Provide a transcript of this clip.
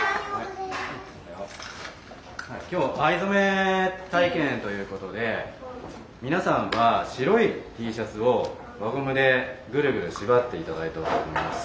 今日藍染め体験ということで皆さんは白いＴシャツを輪ゴムでぐるぐる縛って頂いたと思います。